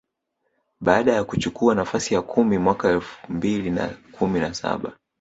baada ya kuchukua nafasi ya kumi mwaka elfu mbili na kumi na saba